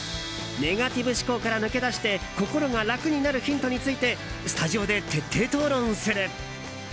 ネガティブ思考から抜け出して心が楽になるヒントについてスタジオで徹底討論する。